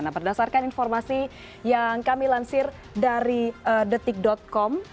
nah berdasarkan informasi yang kami lansir dari detik com